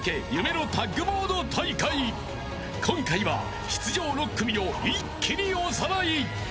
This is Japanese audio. ［今回は出場６組を一気におさらい］